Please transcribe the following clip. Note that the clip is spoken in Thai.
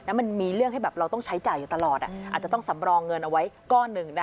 มันมีเรื่องให้แบบเราต้องใช้จ่ายอยู่ตลอดอาจจะต้องสำรองเงินเอาไว้ก้อนหนึ่ง